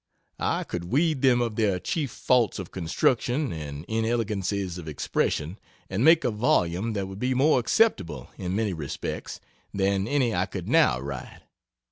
I could weed them of their chief faults of construction and inelegancies of expression and make a volume that would be more acceptable in many respects than any I could now write.